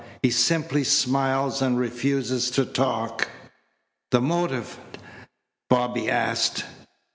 He simply smiles and refuses to talk." "The motive?" Bobby asked.